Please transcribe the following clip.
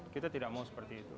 kita tidak mau seperti itu